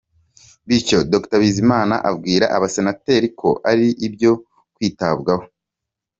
Bityo Dr Bizimana abwira abasenateri ko ari ibyo kwitabwaho.